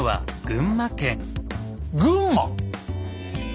群馬⁉